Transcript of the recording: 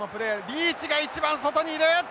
リーチが一番外にいる。